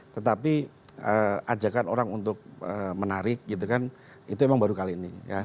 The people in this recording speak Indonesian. tetapi ajakan orang untuk menarik gitu kan itu emang baru kali ini